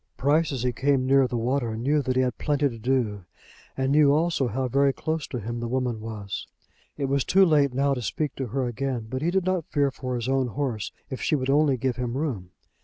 Price, as he came near the water, knew that he had plenty to do, and knew also how very close to him the woman was. It was too late now to speak to her again, but he did not fear for his own horse if she would only give him room.